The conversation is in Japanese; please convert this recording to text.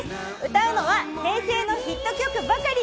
歌うのは平成のヒット曲ばかり。